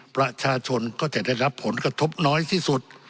ประชาชนก็จะได้รับผลกระทบน้อยที่สุด